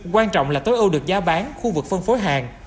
quan trọng là tối ưu được giá bán khu vực phân phối hàng